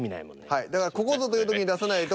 はいだからここぞという時に出さないと。